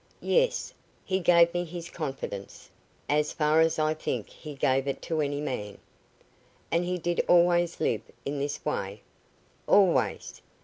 "Yes; he gave me his confidence, as far as I think he gave it to any man." "And did he always live in this way?" "Always.